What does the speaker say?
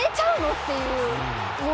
っていう。